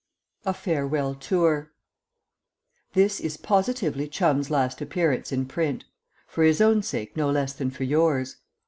A FAREWELL TOUR This is positively Chum's last appearance in print for his own sake no less than for yours.